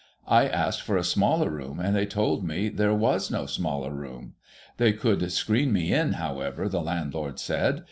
I asked for a smaller room, and they told me there was no smaller room. They could screen me in, however, the landlord said.